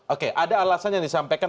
oke ada alasan yang disampaikan